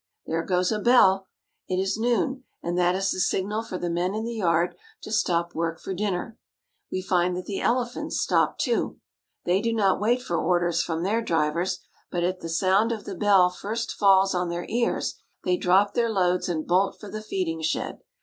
There goes a bell ! It is noon, and that is the signal for the men in the yard to stop work for dinner. We find that the elephants stop, too. They do not wait for orders' from their drivers ; but as the, sound of the bell first falls on their ears, they drop their loads and bolt for the feeding shed.